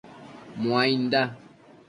Muainda